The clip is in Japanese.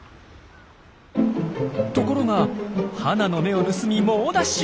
ところがハナの目を盗み猛ダッシュ！